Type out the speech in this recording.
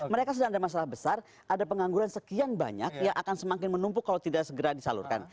mereka sudah ada masalah besar ada pengangguran sekian banyak yang akan semakin menumpuk kalau tidak segera disalurkan